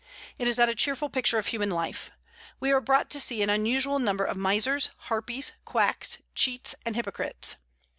It is not a cheerful picture of human life. We are brought to see an unusual number of misers, harpies, quacks, cheats, and hypocrites.